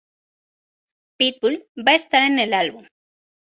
Pitbull va a estar en el álbum.